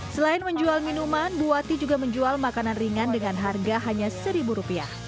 selain menjual minuman buati juga menjual makanan ringan dengan harga hanya rp satu